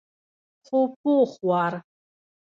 خو پوخ وار.